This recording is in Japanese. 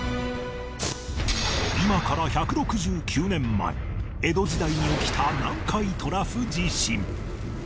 今から１６９年前江戸時代に起きた南海トラフ地震